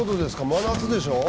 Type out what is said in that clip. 真夏でしょう？